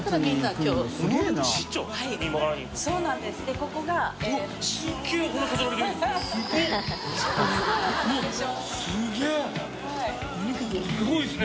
ここすごいですね。